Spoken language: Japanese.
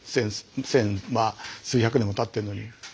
千まあ数百年もたってるのに。